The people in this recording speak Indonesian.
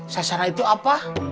sesana itu apa